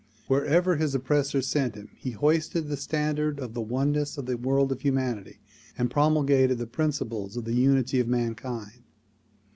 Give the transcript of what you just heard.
Wherever his oppressors sent him he hoisted the standard of the oneness of the world of humanity and promulgated the principles of the unity of mankind.